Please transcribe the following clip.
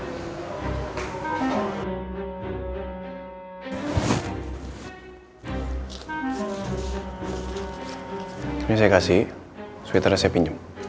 gak ada apa apa ini saya kasih sweaternya saya pinjem